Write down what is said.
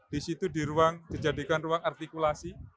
di situ di ruang dijadikan ruang artikulasi